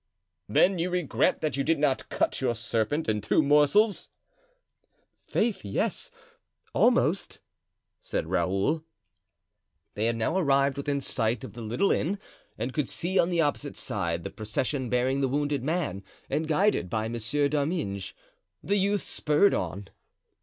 "Then you regret that you did not cut your serpent in two morsels?" "Faith, yes, almost," said Raoul. They had now arrived within sight of the little inn and could see on the opposite side the procession bearing the wounded man and guided by Monsieur d'Arminges. The youths spurred on.